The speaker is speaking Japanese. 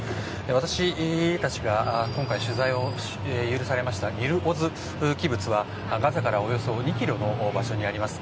私たちが今回取材を許されたニル・オズはガザからおよそ２ｋｍの場所にあります。